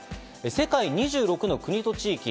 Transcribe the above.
世界２６の国と地域。